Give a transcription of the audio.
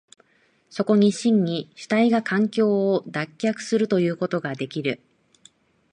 そこに真に主体が環境を脱却するということができる。